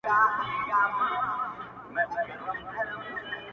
تا ښخ کړئ د سړو په خوا کي سپی دی,